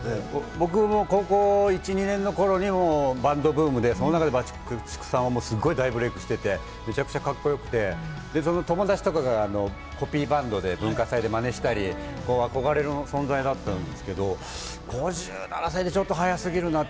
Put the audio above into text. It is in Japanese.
僕も高校１２年の頃にバンドブームで、その中でＢＵＣＫ−ＴＩＣＫさんは大ブレークしていて、めちゃくちゃカッコよくて、友達とかがコピーバンドで文化祭でマネしたり、憧れの存在だったんですけれども、５７歳って、ちょっと早すぎるなと。